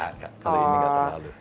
kalau ini enggak terlalu